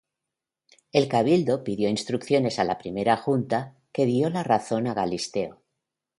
El cabildo pidió instrucciones a la Primera Junta, que dio la razón a Galisteo.